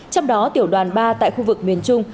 trong đó tiểu đoàn ba tại khu vực miền trung